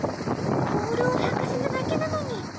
ボールをはかせただけなのに。